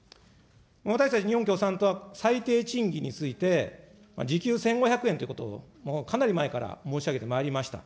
私たち日本共産党は最低賃金について、時給１５００円ということをかなり前から申し上げてまいりました。